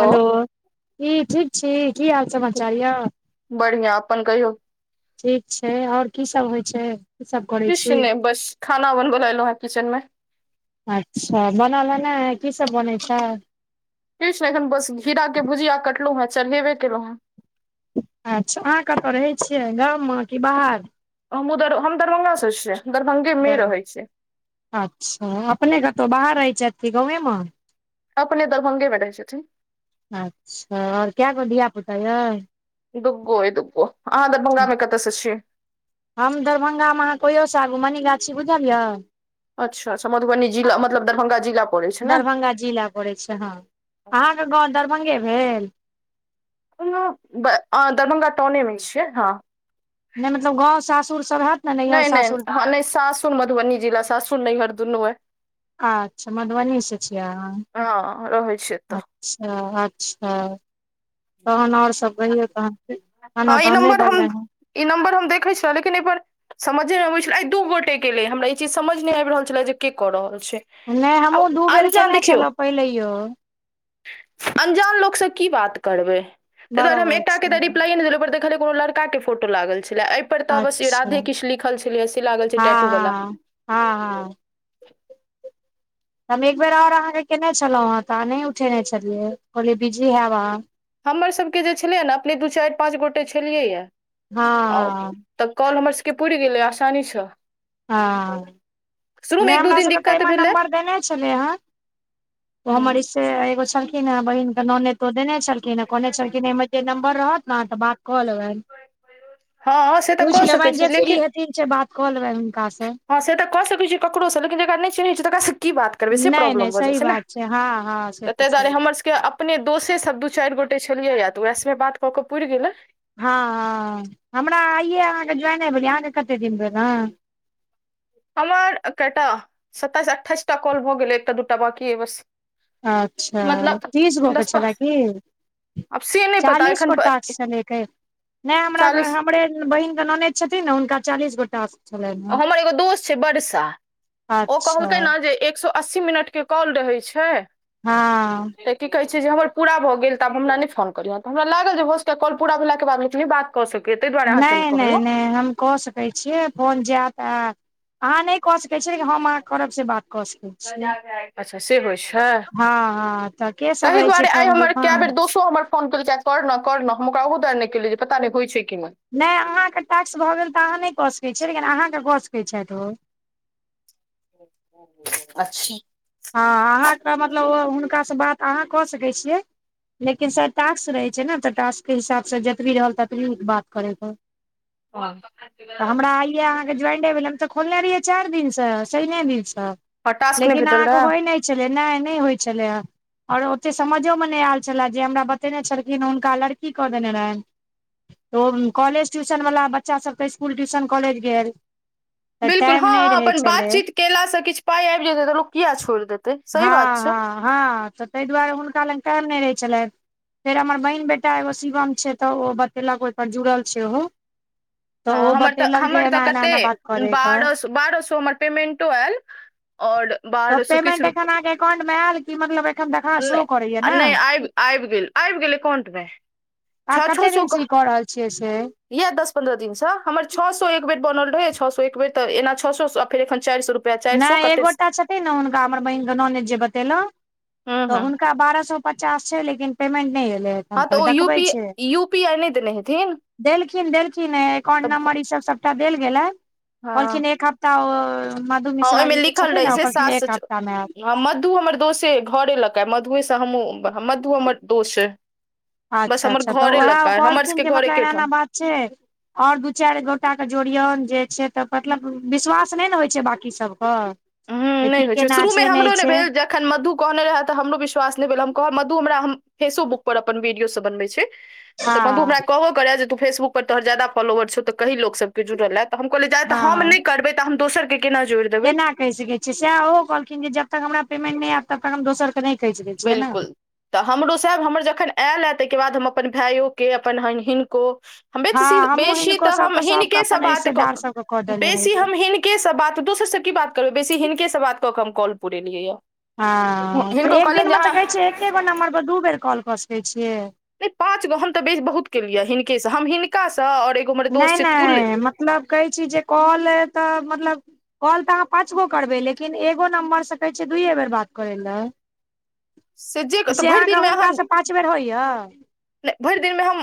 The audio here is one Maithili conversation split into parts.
हेलो कि ठीक छी की हाल समाचार यऽ बढ़िआ अपन कहियौ ठीक छै आओर की सब होय छै सब करै किछ छी नहि बस खाना बनबैल एलौं हें किचन में अच्छा बनल ह नाय की सब बनै छै किछ नहि एखन बस घीरा के भुजिया कटलौ हेँ चरहेबे केलौ हँ अच्छा अहाँ कतय रहैत छियै गाम म कि बाहर हम उर हम दरभंगा स छियै दरभंगे मे दरभंगा। रहै छियै अच्छा अपने कतहु बाहर रहैत छथि कि गाँवे म अपने दरभंगे में रहै छथिन अच्छा आओर क‌ए गो धिया पुता य दुगो ए दुगो अहाँ दरभंगा मे कतय से छी हम दरभंगामे अहाँ कहियोसँ आगू मनी गाछ बुझल य अच्छा अच्छा मधुबनी जिला मतलब दरभंगा जिला पड़ै छै ने दरभंगा जिला पड़ैत छै हँ अहाँके गाँव दरभंगे भेल ह दरभंगा टाउनेमे छियै हँ नहि मतलब गाँव सासुर सब हेत नहि नहि हँ नहि सासुर मधुबनी जिला सासुर नैहर दुनू अय अच्छा मधुबनीसँ छियै अहाँ हँ रहै छियै एतऽ अच्छा अच्छा तहन आओर सब कहियौ तहन की खाना हँ ई तहन नहि नम्बर बनलै हम हँ ई नम्बर हम देखैत छलहुँ लेकिन एहिपर समझे नहि अबैत छलै आ दू गोटे के लेल हमरा ई चीज समझ नहि आबि रहल छलै जे के कऽ रहल छै नहि आब हमहुँ दू बेर अनजान कयने छलहुँ पहिलयो अंजान लोकसँ की बात करबै तहि दुआरे हम बराबर एकटा के छै तऽ रिप्लाइ नहिे देलौ पर देखलिय कोनो लड़का के फोटो लागल छलै पर तऽ बस अच्छा राधे हँ किछ लिखल छलै से लागल छै टैटू वाला हँ हँ हँ हम एक बेेर आओर अहाँके कयने छलौ हं तऽ अहाँ नहि उठेने छलियै कहलियै बिजी हैब अहाँ हमरसभके जे छलै ने अपने दू चारि पाँच गोटे छलियै या हँ आओर हँ तऽ कॉल हमर सबके पूर गेलै आसानी स हँ नै एक दू हमरा दिन सबके तऽ दिक्कत एहिमे भेलै नम्बर देने छलै हंओ हूँ। हमर से एगो छलखिन हे बहिन के नोनैद तऽ देने छलखिन केना कहने छलखिन ए में जे नम्बर रहत ने तऽ बात कऽ लेबनि हँ से तऽ पूछ कऽ सकैत लेबनि छी जे फ्रि लेकिन हेथिन से बात कऽ लेबनि हुनका सँ हँ से तऽ क सकै छै ककरो स लैकिन जेकरा नै चिन्है छियै तकरा स की बात करबै से नहि प्रॉब्लम नहि भऽ जा सही छैय ने बात छै हँ हँ से त तऽ तहि छै दुआरे हमर के अपने दोषे सब दू चार गोटे छलियैया तऽ उएह सबमे बात कऽ के पुर गेले। हँ हँ हमरा आइे अहाँके ज्वइन भेल अहाँके कते दिन भेल ह? हमर कटा सत्तइस अठाइसटा कल भऽ गेलै एकटा दूटा बाकी या बस। अच्छा मतलब तीस गो के दस प छलै की? आब से नहि पता चालीस एखन गोट चलके नहि हमरा चालीस हमरे बहिन के ननैद छथिन ने हुनका चालीस गो टास्क छलनि हँ हमर एगो दोस्त छैय बरसा ओ अच्छा कहलकै ने जे एक सौ अस्सी मिनटके कॉल रहै छैय। हँ तऽ की कहै छैय जे हमर पूरा भऽ गेल तऽ आब हमरा नहि फोन करलियह तऽ हमरा लागल जे भस कॉ पूरा भेलाके बाद निकली बात कऽ सकैत नहि नहि नहि हम क सक कै छियै फोन जायत अहाँ नहि कऽ सकैत छियै लेकिन हम अहाँ करब से बात कऽ सकैत छी। अच्छा से होइ छैय हँ हँ तऽ के सब ताही रहै छै दुआरे आइ फैमिली हमर मे कए बेर दोस्त हमर फोन केलकै कर न कर न हम ओकरा उ दर् नहि केले जे पता नहि होइ छैय कि नहि। नहि अहाँके टाक्स भऽ गेल तऽ अहाँ नहि कऽ सकैत छियै लेकिन अहाँकेँ कऽ सकैत छथि ओ। अच्छी हँ अहाँके मतलब हुनकासँ बात अहाँ कऽ सकैत छियै। लेकिन सर टास्क रहै छैय ने तऽ टास्कके हिसाबसँ जतबी रहल ततबी बात करैके आ हमरा आइये आहां ज्वाइंडी भेल तऽ खोलने रहियै चार दिन से शैने दिन से। ह टास्क नहि भेटल रहा? नहि छलै नहि नहि होइ छलै। आओर ओतेक समझोमे नहि आयल छलए जे हमरा बतेने छलखिने हुनका लड़की कऽ देने रहनि। कॉलेज ट्यूशन वाला बच्चा सब तऽ इसकुल ट्यूशन कॉलेज गेल। तऽ बिल्कुल टाइम हँं नहि रहै अपन छलै बातचीत कयेलासँ किछु पाइ आबि जेतै तऽ लोक किया छोड़ि देतै। सही हँ बात छै हँ हँ तऽ ताहि दुआरे हुनका लग टाइम नहि रहैत छलै। फेर हमर बहिन बेटा एगो शिवम छैय तऽ ओ बतेलक ओहिप जुड़ल छैय ओहो ह तऽ ओ हमर तऽ बतेलक जे हमर तऽ एना एना एना बात कते करैके बारह सौ बारह सए हमर पेमेन्टो आयल आओर त पेमेंट एखन अहाँके एकाउंट मे आयल की मतलब एखन देखान शो करैया नहि ने? नहि आबि आबि गेल आबि गेलै एकाउंटमे। आहां कते दिन से ई क रहल छियै से? इहे दस पन्द्रह दिन स हमर छओ सए एक बेर बनल रहै छ सए एक बेरऽना छओ सए फरन चारि सए नहि एकगोटा छथिन ने हुनका हमर बहिन के ननैद जे बतेलहु हूँ तऽ हूँ हुनका बारह सए पचास छैय लेकिन पेमेंट नहि एलय। हँ तऽ ओ यू पी यू पी आइ नहि देने हेथिन। देलखिन देलखिन ह एकाउंट तऽ नंबर ई सब सबटा देल गेलय हँ कहलखिन एक हफ्त ता मधु हँ मिश्रा जी जे छथिन ने ओ एक हप्ता मे आयत। ह मधु हमर दोषे घरे लऽक मधुए से हमहूँ मधु हमर दोष। अच्छा अच्छा तऽ ओहे हमर कहलखिन सबके जे घर मतलब एना एना एकेठाम बात छैय। आओर दू चारि गोटाके जोड़ियौन जे छैय तऽ मतलब विश्वास नहि ने होइ छैय बाँकी सभके। हूं नहि होइ छैय शुरूमे हमरो नहि भेल ज एखन मधु कहने रहय तऽ हमरो विश्वास नहि भेल हम कहब मधु हमरा हम फेसोबुक पर अपन वीडियो सब बनबै छय तऽ बन्धु हँ हमरा कहब करए जे त फेसबुक पर तोहर जादा फोलवरौ तऽ लोकसभके जुड़लत तऽ हम कहले जाय तऽ हँ हम हँ नहि करबे त हम दोसर केना जोड़ देब केना क सक छ छी सह ओहो कहलखिन जे जब तक हमरा पेमेंट नइ आयब तब तक हम दोसर के नहि के स बिलकुल तऽ हमरो सब हमर जखन आयल हए तहिके बाद हम अपन भायइयोे अपन ए हनको हँ बेची हमहूँ बेसी हिनको तऽ हम सबके हिनक सबके से अपन बात कऽ रिश्तेदार सबके कऽ के देने बेसी रहियै हमही हनके से बात दोसर से की बात करबइ बेसी हिनके से बात कऽ क हम कॉल पुरेलिय या हँ तऽ एक दिनमे तऽ कहैत छियै एक् गो नम्बरपर दू बेर कॉल कऽ सकैत छियइ नहि पाँच गहँ तऽ बेच बहुत केलियै हिनकेसँ हम हिनकासँ ओर नय नहि मतलब कहै छी जे कॉल तऽ मतलब कॉल तऽ अहाँ पाँच गो करबै लेकिन एगो नम्बरसँ कहै छियै दुूइयए बेर बात करइ लए जे तऽ से भरि अहाँके दिनमे अहाँ हुनकासँ पाँच बेर होइया नहि भैर दिन में हम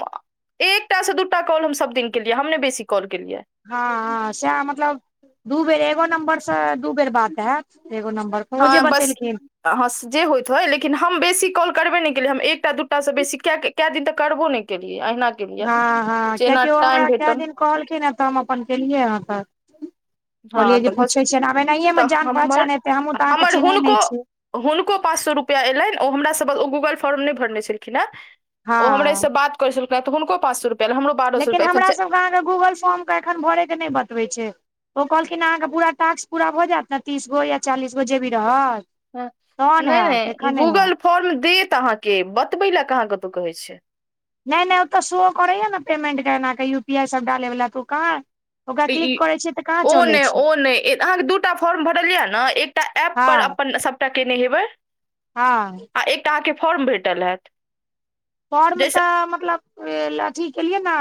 एकटा से दू टा कॉल हम सभ दिन केलियै हम ने बेसी कॉल केलियै हँ सएह मतलब दू बेर एगो नम्बरसँ दू बेर बात हैत एगो नम्बर पर ओ जे हँ बस बतेलखिन तऽ अहाँ जे होइत हइ लेकिन हम बेसी कॉल करबइ नहि केलियै हम एकटा दूटाासँ बेसी कए कऽ कए दिन तऽ करबो नइ केलियै अहिना केलियै हँ हँ जेना कियाकि ओ टाइम हमरा कए भेटल दिन कहलखिन हे तऽ हम अपन केलियै हं तक हँ कहलियै तऽ जे पूछ बस छियइ आब तऽ एनाहिएमे जान हमर पहचान हेतै हमूँ तऽ अहाँकेँ हमर चिन्हैत हुनको नैछी हुनको पाँच सौ रुपैआ एयलन ओ हमरा सभके ओ गूगल फोर्म नय भरने छलखिन हेँ हँ ओ हमरे से बात कर छलक हं तऽ हुनको पास स रुपा लेकिन हमरासभके अहाँके गूगल फॉर्मके एखन भरयके नहि बतबै छय ओ कहलखिन अहाँके पूरा टास्क पूरा भऽ जायत ने तीस गो या चालीस गो जे भी रहत हं तहन नहि हैत नहि एखन हैत गूगल फॉर्म देत अहाँके बतबै लए कह अहाँ कतहु कहै छ नय नय ओ तऽ सेहो करैए ने पेमेन्टके एनाकऽ यू पी आइ सभ डालैवला तू कह तऽ ई कलिकै छै ओ नय ओ नहि अहाँकेँ दूटा फॉर्म भरल यए ने एकटा एप्प पर हँ अपन तऽ के नेहेबै हँ आ एकटा अहाँके फॉर्म भेटल हैत फोर्म जाहिसँ तऽ मतलब अथी केलियै ने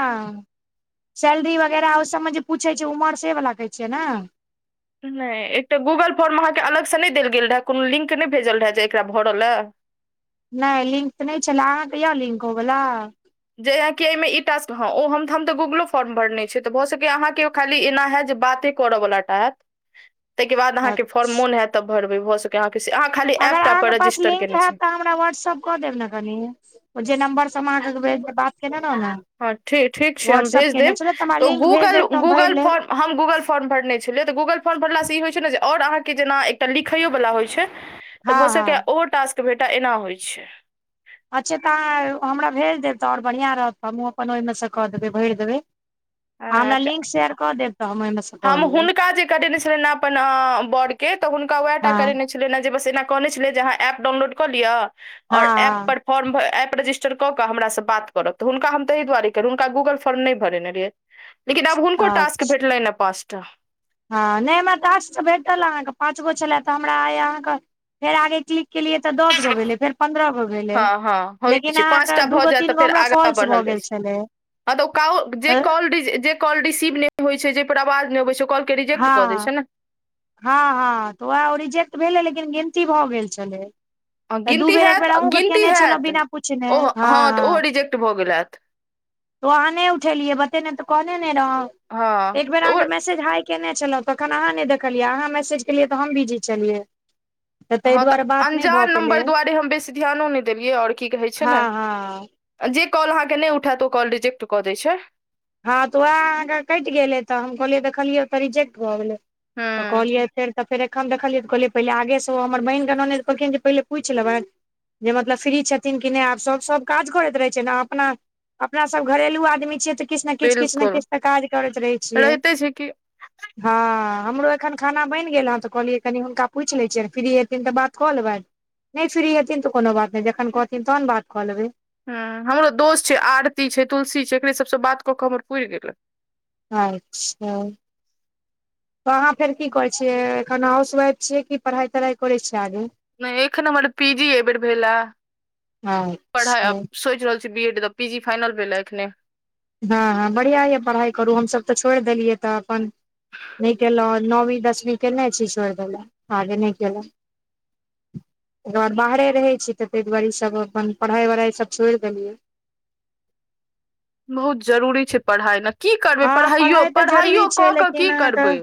सैलरी वगैरह ओहि सब में जे पूछै छै उमर से वला कहै छियै ने नहि एकटा गूगल फोर्म अहाँकेँ अलगसँ नइ देल गेल रहय कोनो लिंक नहि भेजल रहय जे एकरा भरऽ लए नय लिंक तऽ नहि छलै अहाँके यए लिंक हो गेलै जे एहि मे ई टास्क हँ ओ हम हम तऽ गूगलो फॉर्म भरने छिय तऽ भऽ सकैए अहाँके खाली एना हय जे बाते कोर बला टाप [inaudible] तहिके बाद अहाँ के फॉर्म मन हैत तऽ भरब भ सकै अहाँके से अहाँ खाली एप टापर रजिस्टर कने छी वातसप कऽ देब न कनि जे नम्बर से हम अहाँके भेज बात केने रहौ ने हँ ठ ठीक छै हम व्हाट्सअप भेज केने देब छलहुँ हमरा तऽ लिंक भेज गूगल देब तऽ हम भरि गूगल लेब फॉर्म हम गूगल फॉर्म भरने छलियै तऽ गूगल फॉर्म भरलासँ ई होइत छै ने जे ओर अहाँके जेना एकटा लिखैओवला होइ छय तऽ भऽ हँ सकै हँ ओहो टास्क भेटा एना होइ छय अच्छा तऽ अहाँ हमरा भेज देब तऽ और बढ़िआँ रहत तऽ हमहूँ अपन ओहिमे सँ कऽ देबै भैर देबै हमरा छै लिंक शेयर कऽ देब तब ओहिम सँ हम कऽ लेबै हुनका जे करेने छलियैन अपन अ बड़ के तऽ हुनका उएह टा हँ करेने छ एना जे बस एना कहने छलै जे अहाँ एप डाउनलोड कऽ लिय ओर एप हँ पर फॉर्म एप रजिस्टर कऽ कऽ हमरा सँ बात करब तऽ हुनका हम तहि दुआरे करू हुनका गूगल फोर्म नहि भरेने रहिये [inaudible] लेकिन अब हुनको हँ टास्क अच्छा भेटलैन अ पाँच टा हँ नहि हमरा टाक्स भेटल अहाँकेँ पाँच गो छलए तऽ हमरा आइ अहाँके फेर आगे क्लिक केलिए तऽ दस गो भेले फेर पंद्रह गो भेलै हँ हँ होइ लेकिन छै अहाँ पाँच कऽ टा भऽ दूगो जायत तऽ तीन गो फेर हमरा आगाँ फॉल्स भऽ बढ़ल जाइ गेल छै छलै हँ तऽ ओ काव जे कॉल जे कॉल रिसीव नहि होइ छै जहिपर आवाज नहि आबै छै ओ कॉल हँ हँ हँ तऽ ओएह रिजेक्ट भेलै लेकिन गिनती भऽ गेल छलै हँ तऽ दू गिनती बेर एक बेर हैत आूग गिनती केने छलोह हैत बिना पूछने ओ हँ तऽ ओहो हँ रिजेक्ट भऽ गेल हैत तो अहाँ नहि उठेलिये बतेने तो कहने ने रहौ हँ एक बेर तऽ ओ अहाँकेँ मैसेज हाय केने छलहुँ तखन अहाँ नहि देखलियै अहाँ मैसेज केलियै तऽ हम बिजी छलियै ताहि हँ तऽ दुआरे बात नहि भऽ अन्जान पेलै नम्बर दुआरे हम बेसी ध्यानो नहि देलियै और की कहै छै न हँ हँ आ जे कॉल अहाँकेँ नहि उठायत ओ कॉल रिजेक्ट कऽ दै छै हँ तऽ वएह अहाँके कटि गेलै तऽ हम कहलियै देखलियै तऽ रिजेक्ट भऽ गेलै हूँ तऽ कहलियै फेर तऽ फेर एखन देखलियै तऽ कहलियै पहिले आगेसँ ओ हमर बहिन कऽ ननैद कहलखिन जे पहिले पूछि लेबै जे मतलब फ्री छथिन कि नहि आब सभ सभ काज करैत रहै छै अपना अपना सभ घरेलू आदमी छियै तऽ किछ नै किछ किछ नै बिल्कुल किछ तऽ काज करैत रहै छियै रहिते छै कि हँ हमरो एखन खाना बनि गेल हँ तऽ कहलियै कनि हुनका पूछि लै छियनि फ्री हेथिन तऽ बात कऽ लेबैन नहि फ्री हेथिन तऽ कोनो बात नहि जखन कहथिन तहन बात कऽ लेबै हूँ हमरो दोस्त छै आरती छै तुलसी छै एकरे सभसँ बात कऽ कऽ हमर पुरि गेलै अच्छा तऽ अहाँ फेर की करै छियै एखन हाउसवाइफ छियै कि पढ़ाइ तढ़ाइ करै छियै आगे नहि एखन हमर पी जी एहि बेेर भेलाह पढ़ाई अब अच्छा सोच रहल छियै बी एड दऽ पीजी फानल भेले एखने हँ हँ बढ़िआँ यऽ पढ़ाइ करू हमसभ तऽ छोड़ि देलियै तऽ अपन नहि केलहुँ नौवी दसमी केने छी छोड़ि देलहुँ आगे नहि केलहुँ त बाद बाहरे रहे छी तऽ तहि दुआरे ई सब अपन पढ़ाई वढ़ाई सब छोड़ देलियै बहुत जरूरी छै पढ़ाइ नऽ की करबै हँ पढ़ाइयो पढ़ाइ तऽ पढ़ाइयो जरूरी कऽ छै कऽ लेकिन की अहाँके करबै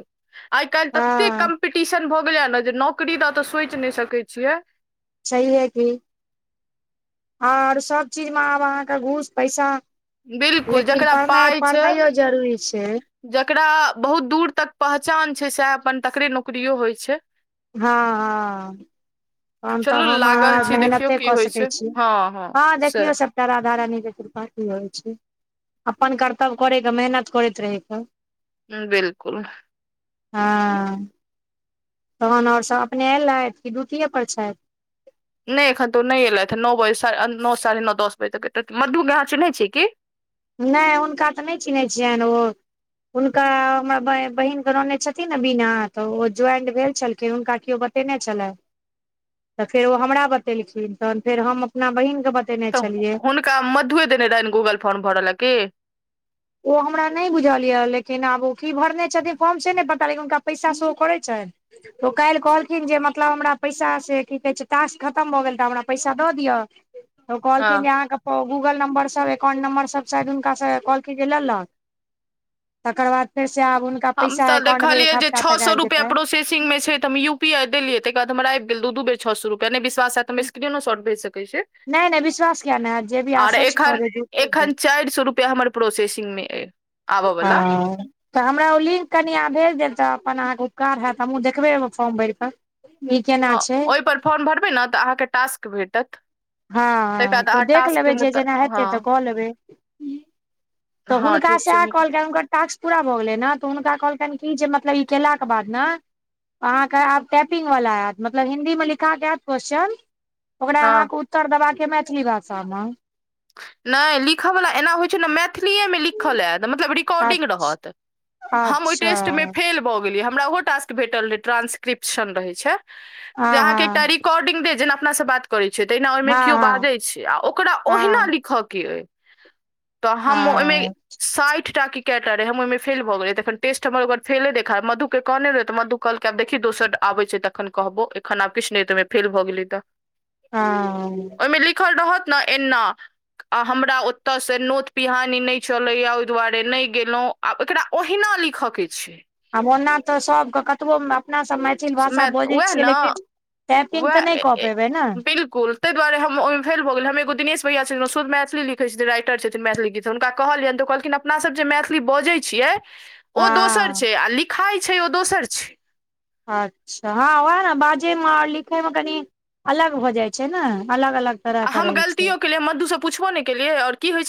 आइ काल्हि तते हँ कम पिटीशन भऽ गेलै हँ नऽ जे नौकरी दऽ तऽ सोच नहि सकैय छियै छैहे की और सब चीज मऽ आब अहाँक घूस पैसा बिल्कुल लेकिन जकरा पढ़नाइ पाइ छै पढ़नाइयो जरूरी छै जकरा बहुत दूर तक पहचान छै सएह अपन तकरे नौकरियो होइ छै हँ हँ तखन तऽ चलू हम अहाँ लागल छी देखियौ मेहनते की कऽ होइ छै सकैत छी हँ हँ से देखियौ सभ कारा धारा नै जे त्रिपाठी होइ छै अपन कर्तव्य करै कऽ मेहनत करैत रहै कऽ बिलकुल हँ तहन आओर सभ अपने एलैथ कि ड्यूटिए पर छथि नहि एखन तो नहि एलथि हे नओ बजे नओ साढ़े नओ दस बजे तक एतैथ मधु [unintelligible] चिनहै छियै की नहि हुनका तऽ नहि चिन्हैत छियनि ओ हुनका हमरा बहिन के ननैद छथिन ने बिना तऽ ओ ज्वाइंड भेल छलखिन हुनका केओ छलए त फेर ओ हमरा बतेलखिन तहन फेर हम अपना बहिन तऽ हुनका मधुए देने रहनि गूगल फोर्म भरऽ ल की ओ हमरा नहि बुझल यए लेकिन आब ओ की भरने छथिन फॉर्म से नहि पता लेकिन हुनका पैसा सेह करैत छनि तऽ काल्हि कहलखिन जे मतलब हमरा पैसा से की कहे छै टासक खतम भऽ गेल तऽ हमरा पैसा दऽ दिअ [inaudible] हँ [inaudible] की जे लेलक तकर बाद फेर से आ हम स देखलियै जे छ सए रुपया प्रो फेसिंग मे छै तऽ हम यू पी आई देलिय तहि बाद हमरबि गेल दू दू बेर छ छ सए रूपया नहिश्वास हत त हम स्क्रीनो शर्ट भेज सकै छी नहि नहि विश्वास किया नहि हैत जे भी अहाँ आर सच एखन कहबै झूठ नहि कहबै एखन चारि सए रुपआ हमर प्रोसेसिंग मे अय हँ तऽ हमरा ओ लिंक कनि आहाँ भेज देव तऽ अपन अहाँके उपकार हैतत हमहूँ देखबै फॉर्म भरि कऽ ई केना छै ओहिपर फॉर्म भरबै न तऽ अहाँके टास्क भेटत तई हँ आ टास्क त हँ त हँ हुनका ठीक छै सए नीक। कहलकैन कल क टास्क पूरा भऽ गेलै न तऽ हुनका कहलकनि क जे मतलब ई केलाक के बाद न अहाँकेँ आब टैपिंग वला आयत मतलब हिन्दीमे लिखा क आयत क्वेश्चन ओकरा हँ अहाँके उत्तर देबाक य मैथिली भाषामे नहि लिखयवला एना होइ छै न मैथिलीए मे लिखल यात मतलब रेकोडिंग रहत हम ओय अच्छा टेस्ट मे फेल भऽ गेलियै हमरा ओहो टास्क भेटल रहै ट्रांस्क्रिप्शन रहै छै जे हँ अहाँ हँ केटारी काॅडिंग दे जेना अपना सब जेना अपना सब बात छै तहिना ओहिमे हँ केओ हँ बाजै छै आ ओकरा ओहिना हँ खके तऽ हम ओहिमे हँ साइठटा कएटा रहै हम ओहिमे फेल भऽ गेलै तखन टेस्ट हम ओकर फेले देखाब मधुकेँ कहने रह तऽ मधु कहलक आब देखी दोसर आबै छै तऽ एखन कहबो एखन आब किछ नहि तहिमे फेल भऽ गेलै तऽ हँ ओहिमे लिखल रहत न एना आ हमरा ओतयसँ नोत पिहानी नहि चलैए ओहि दुआरे नहि गेलहुँ आब एकरा ओहिना लिखअ के छै आब ओना तऽ सबके कतबो अपना सबमे मैथिल भाषा बजै उएह छियै ने लेकिन टैपिंग तऽ नहि कऽ पेबै ने तैई दुआरे हम ओहिमे फैल भऽगेलिय हम एगो दिश भयआ छथिन ओ शद्ध मैथिलीखैत छथि राइटर छथिन मैथिलीत हुनक कहलियनि तऽ कहलखिन अपना सब जे मैथिली बजै छियै ओ दोसर हँ छै आ लिखाई छै ओ दोसर छै अच्छा हँ वएह ने बाजैमे आओ लिखैमे कनि अलग भ जाइ छै ने अलग अलग आ तरहके हम रहै छै गलतियो केलियै हम मदु स पुछबो नहि केलियै आओर की होइ छै